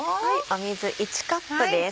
水１カップです。